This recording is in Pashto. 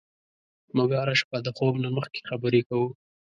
موږ هره شپه د خوب نه مخکې خبرې کوو.